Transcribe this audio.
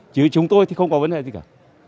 chứ chúng tôi thì không có vấn đề gì cả